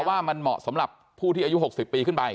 ว่ามันเหมาะสำหรับผู้ที่อายุ๖๐ปีขึ้นไป